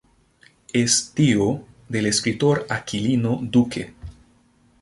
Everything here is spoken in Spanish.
Es tío del escritor Aquilino Duque.